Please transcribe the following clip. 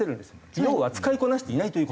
要は使いこなしていないという事。